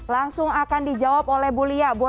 langsung akan dijawab oleh bu lia